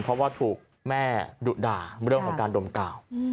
เพราะว่าถูกแม่ดุด่าเรื่องของการดมกาว